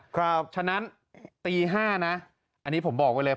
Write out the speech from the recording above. เพราะฉะนั้นตี๕นะอันนี้ผมบอกไว้เลย